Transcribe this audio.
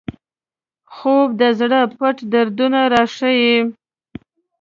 خوب د زړه پټ دردونه راښيي